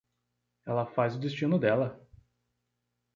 Ela faz o destino dela